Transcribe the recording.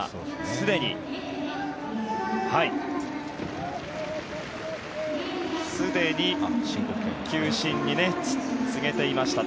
すでに球審に告げていました。